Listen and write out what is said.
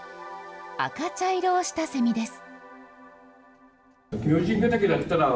赤茶色をしたセミです。